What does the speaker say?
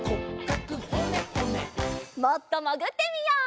もっともぐってみよう。